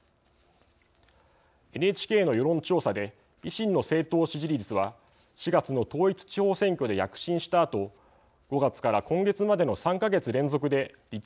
ＮＨＫの世論調査で維新の政党支持率は４月の統一地方選挙で躍進したあと５月から今月までの３か月連続で立民を上回りました。